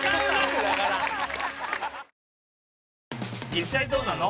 実際どうなの？